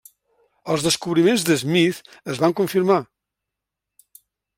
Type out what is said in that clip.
Els descobriments de Smith es van confirmar.